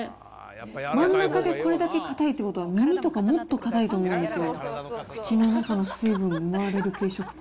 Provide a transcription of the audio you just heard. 真ん中でこれだけ硬いということは、耳とかもっと硬いと思うんですよ。